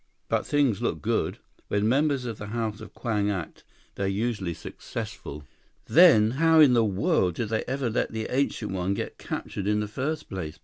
"But things look good. When members of the House of Kwang act, they're usually successful." "Then how in the world did they ever let the Ancient One get captured in the first place?"